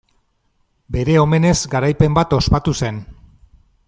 Bere omenez garaipen bat ospatu zen.